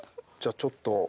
じゃあちょっと。